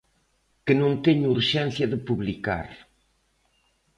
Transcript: Que non teño urxencia de publicar.